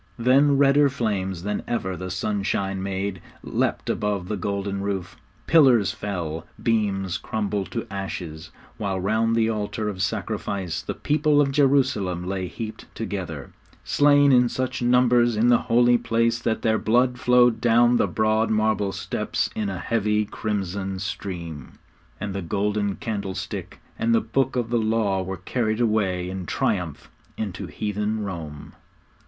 Then redder flames than ever the sunshine made leapt above the golden roof; pillars fell, beams crumbled to ashes, while round the altar of sacrifice the people of Jerusalem lay heaped together, slain in such numbers in the Holy Place that their blood flowed down the broad marble steps in a heavy crimson stream. And the golden candlestick and the Book of the Law were carried away in triumph into heathen Rome.